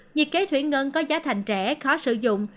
nhiệt kế thủy ngân có giá thành rẻ khó sử dụng